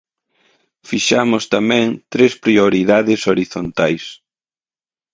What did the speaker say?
Fixamos tamén tres prioridades horizontais.